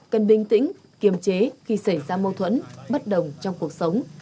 cần bình tĩnh kiềm chế khi xảy ra mâu thuẫn bất đồng trong cuộc sống